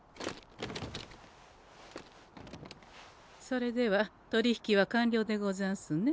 それでは取り引きは完了でござんすね。